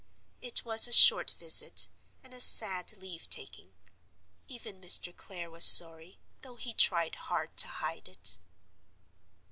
It was a short visit, and a sad leave taking. Even Mr. Clare was sorry, though he tried hard to hide it.